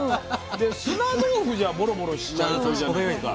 で砂豆腐じゃボロボロしちゃうじゃないですか。